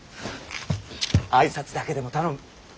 挨拶だけでも頼む。